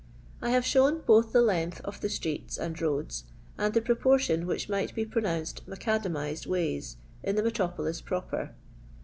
I have shown both the length )f the streets and roads and the proportion which might be pronounced macadamized ways in the Metropolis Proper.